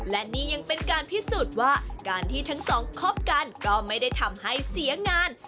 และนี่ยังเป็นการพิสูจน์ว่าการที่ทั้งสองคบกันก็ไม่ได้ทำให้เสียงาน